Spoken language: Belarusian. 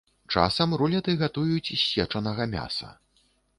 Часам рулеты гатуюць з сечанага мяса.